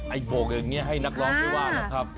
ไอ้โปรกอย่างนี้ให้นักรอบไม่ว่าแล้วครับ